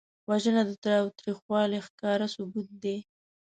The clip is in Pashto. وژنه د تاوتریخوالي ښکاره ثبوت دی